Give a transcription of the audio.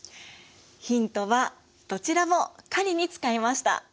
ヒントはどちらも狩りに使いました。